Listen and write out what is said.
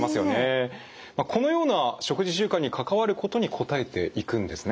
このような食事習慣に関わることに答えていくんですね？